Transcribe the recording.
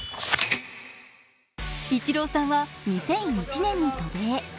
イチローさんは２００１年に渡米。